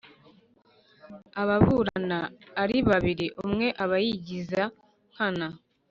ababurana ari babiri umwe aba yigiza nkana.